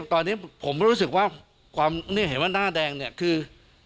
ตอนนี้ผมก็รู้สึกว่าความเห็นว่าหน้าแดงเนี่ยคือ